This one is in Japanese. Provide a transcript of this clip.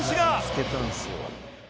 「見つけたんですよ」